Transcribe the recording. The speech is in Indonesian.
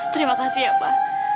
terima kasih ya pak